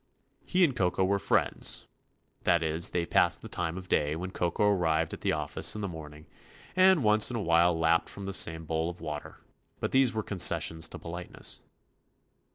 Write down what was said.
He and Koko were friends; that is, they passed the time of day when Koko arrived at the office in the morn ing, and once in a while lapped from the same bowl of water, but these were concessions to politeness.